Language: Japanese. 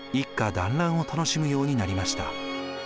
団らんを楽しむようになりました。